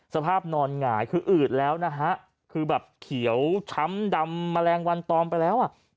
สภาพนอนหงายคืออืดแล้วนะฮะคือแบบเขียวช้ำดำแมลงวันตอมไปแล้วอ่ะ